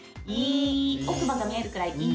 奥歯が見えるくらい「い」。